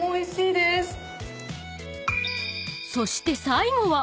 ［そして最後は］